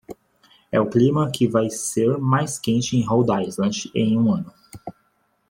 é o clima que vai ser mais quente em Rhode Island em um ano